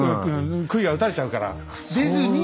くいは打たれちゃうから出ずに。